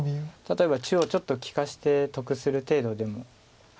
例えば中央ちょっと利かして得する程度でも。